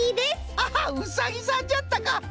ハハッうさぎさんじゃったか！